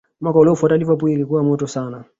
mwaka uliofuata Liverpool ilikuwa moto sana